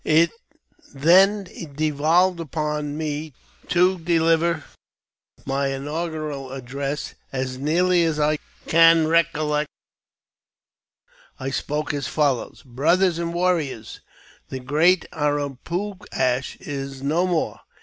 It then devolved upon me to dehver my inaugm'al address As nearly as I can recollect, I spoke as follows :'* Brothers and warriors ! The great A ra poo ash is no more.